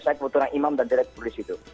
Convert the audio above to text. saya kebetulan imam dan direktur di situ